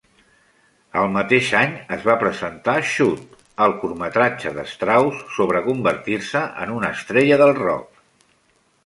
El mateix any es va presentar "Shoot", el curtmetratge de Strauss sobre convertir-se en una estrella del rock.